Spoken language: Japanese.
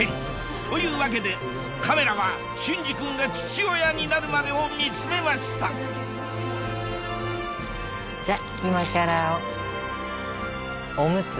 というわけでカメラは隼司君が父親になるまでを見つめましたあ！